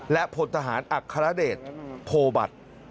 และพลทหารอัครเดชโพบัตร